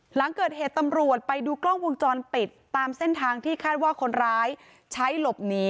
หลังเกิดเหตุตำรวจไปดูกล้องวงจรปิดตามเส้นทางที่คาดว่าคนร้ายใช้หลบหนี